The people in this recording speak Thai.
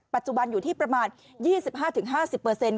ปัจจุบันอยู่ที่ประมาณ๒๕๕๐เปอร์เซ็นต์